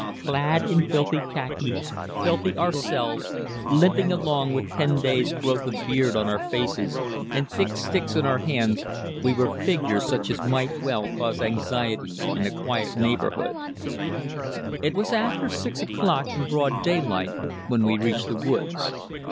Clad in filthy khaki, filthy ourselves, limping along with ten days' growth of beard on our faces, and thick sticks in our hands, we were figures such as might well cause anxiety in a quiet neighborhood. It was after 6 o'clock and broad daylight when we reached the woods.